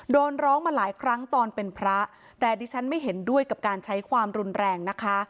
ร้องมาหลายครั้งตอนเป็นพระแต่ดิฉันไม่เห็นด้วยกับการใช้ความรุนแรงนะคะ